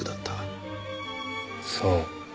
そう。